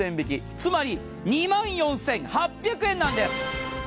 つまり２万４８００円なんです！